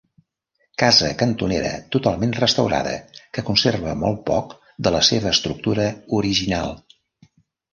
Casa cantonera totalment restaurada, que conserva molt poc de la seva estructura original.